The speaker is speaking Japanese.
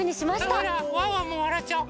ワンワンもわらっちゃおう。